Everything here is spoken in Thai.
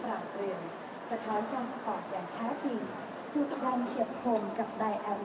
สร้างมือมองใหม่ที่บำบัดความเป็นผู้นำแผนอาณาจัดการคุณ